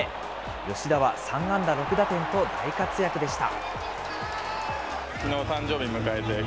吉田は３安打６打点と大活躍でした。